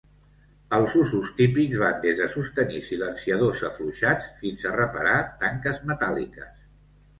Els usos típics van des de sostenir silenciadors afluixats fins a reparar tanques metàl·liques.